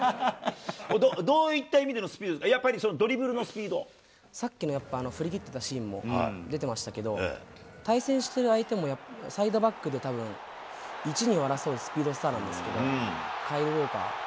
どういった意味でのスピード、さっきのやっぱ、振り切ってたシーンも出てましたけど、対戦している相手もサイドバックでたぶん、１、２を争うスピードスターなんですけど、カイル・ウォーカー。